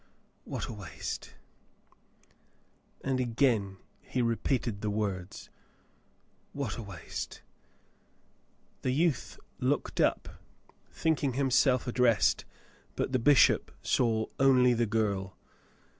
"What a waste !" And again he repeated the words, "What a waste!" The youth looked up, thinking himself addressed, but the bishop saw only the girl.